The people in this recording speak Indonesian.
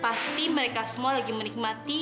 pasti mereka semua lagi menikmati